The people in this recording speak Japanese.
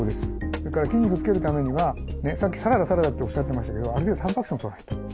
それから筋肉つけるためにはさっきサラダサラダっておっしゃってましたけどある程度たんぱく質もとらないと。